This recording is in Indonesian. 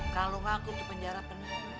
kalo ngaku tuh penjara penjara